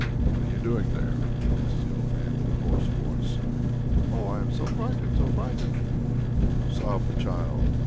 "What are you doing there?" asked the old man in a hoarse voice. "Oh, I am so frightened, so frightened!" sobbed the child.